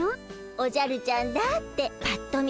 「おじゃるちゃんだ」ってぱっと見